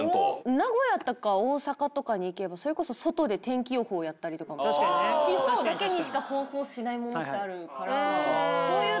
名古屋とか大阪とかに行けば外で天気予報をやったりとか地方だけにしか放送しないものってあるから。